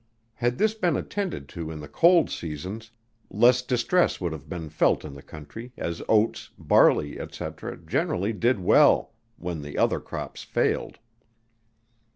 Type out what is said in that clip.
Had this been attended to in the cold seasons, less distress would have been felt in the country, as oats, barley, &c. generally did well, when the other crops failed.